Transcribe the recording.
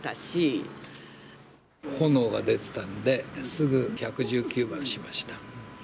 炎が出てたんで、すぐ１１９番しました。